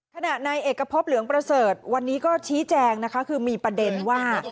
ขณะในเอกพบเหลืองประเสริฐวันนี้ก็ชี้แจงนะคะคือมีประเด็นว่า